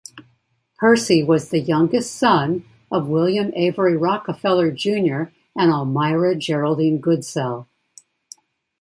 Percy was the youngest son of William Avery Rockefeller Junior and Almira Geraldine Goodsell.